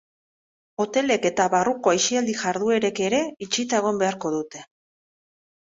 Hotelek eta barruko aisialdi jarduerek ere itxita egon beharko dute.